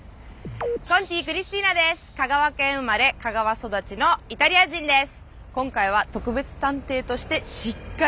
香川県生まれ香川育ちのイタリア人です。